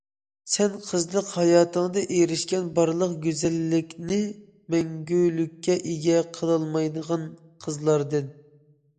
سەن قىزلىق ھاياتىڭدا ئېرىشكەن بارلىق گۈزەللىكنى مەڭگۈلۈككە ئىگە قىلالايدىغان قىزلاردىن.